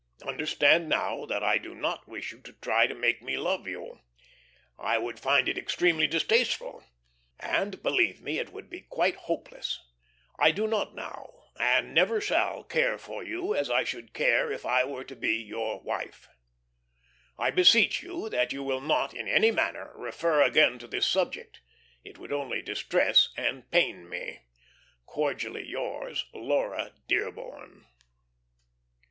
Understand now that I do not wish you to try to make me love you. I would find it extremely distasteful. And, believe me, it would be quite hopeless. I do not now, and never shall care for you as I should care if I were to be your wife. I beseech you that you will not, in any manner, refer again to this subject. It would only distress and pain me. "Cordially yours, "LAURA DEARBORN."